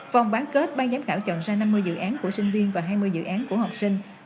vòng bán kết ban giám khảo chọn ra năm mươi dự án của sinh viên và hai mươi dự án của học sinh